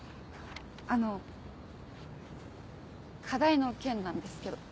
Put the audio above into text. あのう課題の件なんですけど。